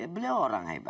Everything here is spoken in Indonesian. beliau orang hebat